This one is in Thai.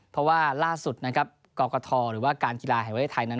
เพราะว่าล่าสุดกรกฐหรือว่าการกีฬาแห่งประเทศไทย